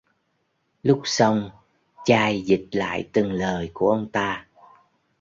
Lúc xong chai dịch lại từng lời của ông ta